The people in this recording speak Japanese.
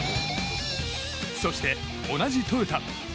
そして、同じトヨタ。